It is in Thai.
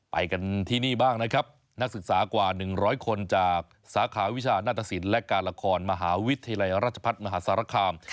ไปกันที่นี่บ้างนะครับนักศึกษากว่า๑๐๐คนจากสาขาวิชาหน้าตสินและการละครมหาวิทยาลัยราชพัฒน์มหาสารคาม